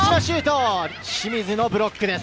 清水のブロックです。